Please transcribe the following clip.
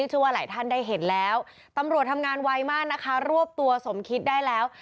เชื่อว่าหลายท่านได้เห็นแล้วตำรวจทำงานไวมากนะคะรวบตัวสมคิดได้แล้ว